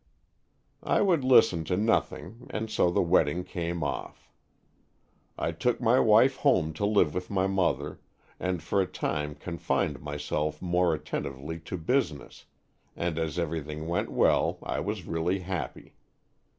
I would listen to nothing and so the wedding came off. I took my wife home to live with my mother, and for a time confined myself more at tentively to business, and as everything went well I was really happy.